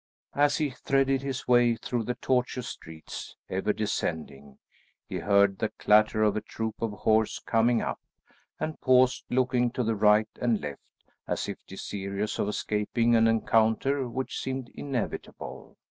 As he threaded his way through the tortuous streets, ever descending, he heard the clatter of a troop of horse coming up, and paused, looking to the right and left, as if desirous of escaping an encounter which seemed inevitable.